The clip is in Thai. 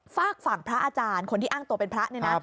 ฝากฝั่งพระอาจารย์คนที่อ้างตัวเป็นพระเนี่ยนะ